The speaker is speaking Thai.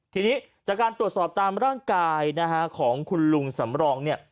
ทีนี้จากการตรวจสอบตามร่างกายของคุณลุงสำรอง